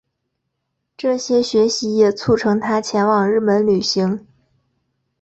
这些学习也促成他前往日本旅行。